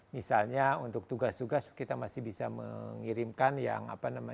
misalnya untuk tugas tugas kita masih bisa mengirimkan yang apa namanya